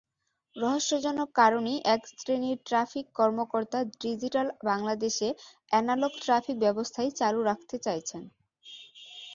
রহস্যজনক কারণেই একশ্রেণির ট্রাফিক কর্মকর্তা ডিজিটাল বাংলাদেশে অ্যানালগ ট্রাফিক-ব্যবস্থাই চালু রাখতে চাইছেন।